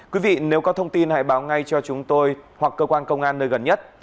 quý vị nếu có thông tin hãy báo ngay cho chúng tôi hoặc cơ quan công an nơi gần nhất